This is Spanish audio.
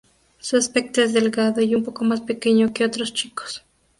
Su aspecto es delgado y un poco más pequeño que otros chicos.